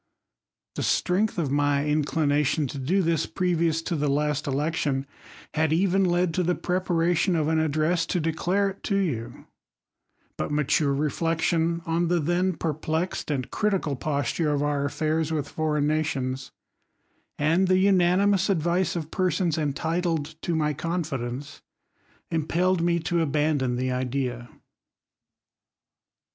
The strength of my inclination to do thi^* previous to the last election, had even led to the prepw sration of an address to declare it to you ; but matu^;e reflection on the then perplexed and critical posture of ®ur a/fairs with foreign nations, and the unanimous ad vice of persons entitled to my confidence, impelled mt to abandon the idea.